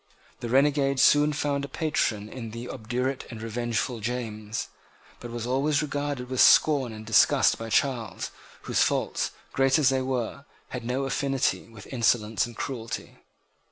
The renegade soon found a patron in the obdurate and revengeful James, but was always regarded with scorn and disgust by Charles, whose faults, great as they were, had no affinity with insolence and cruelty.